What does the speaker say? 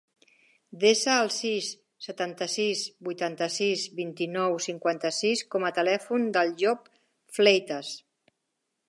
Desa el sis, setanta-sis, vuitanta-sis, vint-i-nou, cinquanta-sis com a telèfon del Llop Fleitas.